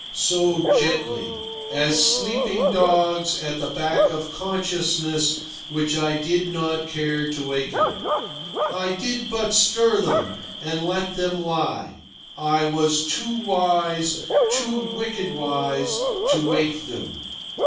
so gently, as sleeping dogs at the back of consciousness which I did not care to waken. I did but stir them, and let them lie. I was too wise, too wicked wise, to wake them.